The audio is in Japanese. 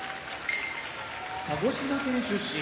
鹿児島県出身